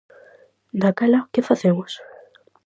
Daquela, que facemos?